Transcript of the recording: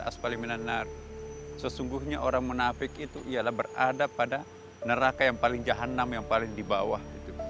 sesungguhnya orang munafik itu ialah berada pada neraka yang paling jahan enam yang paling di bawah